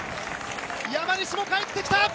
山西も帰ってきた！